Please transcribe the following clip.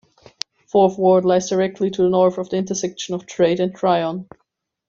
Fourth Ward lies directly to the north of the intersection of Trade and Tryon.